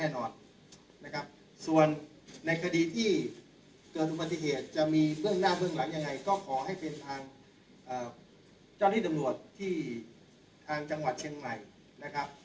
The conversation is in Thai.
ในคดีที่เกิดอุบัติเหตุจะมีเบื้องหน้าเบื้องหลังยังไงก็ขอให้เป็นทางอ่าเจ้าฤทธิ์อำนวดที่ทางจังหวัดเชียงใหม่นะครับ